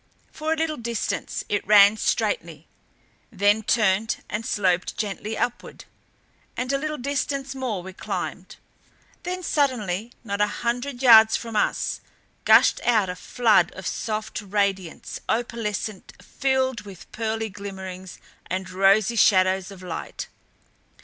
For a little distance it ran straightly, then turned and sloped gently upward; and a little distance more we climbed. Then suddenly, not a hundred yards from us, gushed out a flood of soft radiance, opalescent, filled with pearly glimmerings and rosy shadows of light.